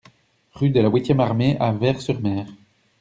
Rue de la Huitième Armée à Ver-sur-Mer